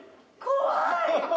怖い！